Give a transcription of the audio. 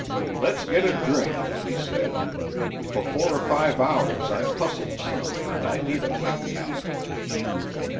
"Let's get a drink," he said. "For four or five hours I've hustled some and I need a pick me up."